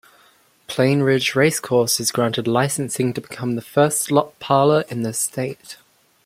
Plainridge Racecourse is granted licensing to become the first slot parlor in the state.